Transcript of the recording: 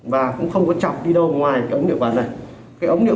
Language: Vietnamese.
và cũng không có chọc đi đâu ngoài cái ống niệu quản này